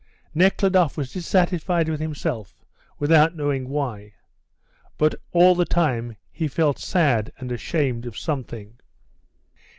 Nekhludoff was dissatisfied with himself without knowing why, but all the time he felt sad and ashamed of something.